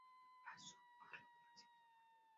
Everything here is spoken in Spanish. Pasó a retiro ese mismo año.